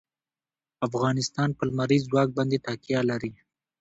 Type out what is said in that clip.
افغانستان په لمریز ځواک باندې تکیه لري.